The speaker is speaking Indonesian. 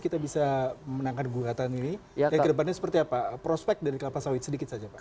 kita bisa menangkan gugatan ini dan kedepannya seperti apa prospek dari kelapa sawit sedikit saja pak